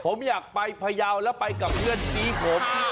ผมอยากไปพยาวแล้วไปกับเพื่อนชี้ผม